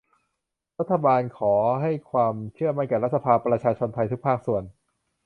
รัฐบาลขอให้ความเชื่อมั่นแก่รัฐสภา ประชาชนไทยทุกภาคส่วน